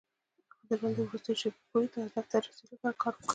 هغه د ژوند تر وروستيو شېبو پورې هدف ته د رسېدو لپاره کار وکړ.